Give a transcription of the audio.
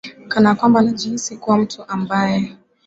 kana kwamba najihisi kuwa mtu ambaye